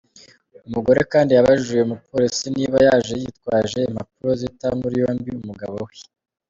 Umugore kandi yabajije uyu mupolisi niba yaje yitwaje impapuro zita muri yombi umugabo we.